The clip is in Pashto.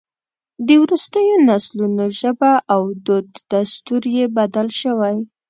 د وروستیو نسلونو ژبه او دود دستور یې بدل شوی.